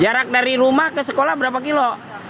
jarak dari rumah ke sekolah berapa kilo